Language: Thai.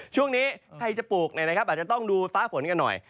ช่วงนี้ใครจะปูกเนี่ยนะครับจะต้องดูฟ้าฝนกันหน่อย